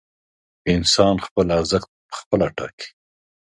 انسان خپل ارزښت پخپله ټاکي.